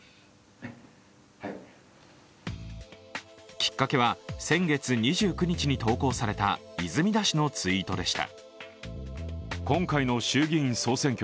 きっかけは先月２９日に投稿された泉田氏のツイートでした。